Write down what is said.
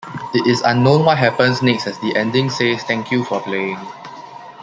It is unknown what happens next as the ending says "Thank you for playing".